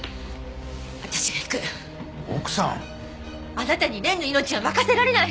あなたに蓮の命は任せられない。